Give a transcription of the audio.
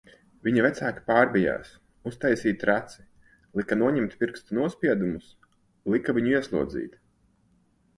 Viņa vecāki pārbijās, uztaisīja traci, lika noņemt pirkstu nospiedumus, lika viņu ieslodzīt...